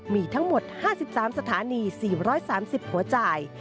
มีทั้งหมด๕๓สถานี๔๓๐หัวจ่าย